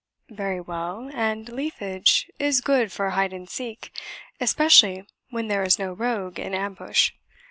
"Very well; and 'leafage' is good for hide and seek; especially when there is no rogue in ambush.